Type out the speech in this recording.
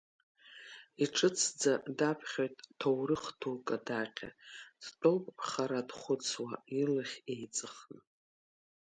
Иҿыцӡа даԥхьоит ҭоурых дук адаҟьа, Дтәоуп хара дхәыцуа илахь еиҵыхны.